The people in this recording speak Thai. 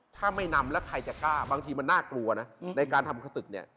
ถ้าไม่นำแล้วใครจะกล้าบางทีมันน่ากลัวนะในการทำขตึกเนี่ย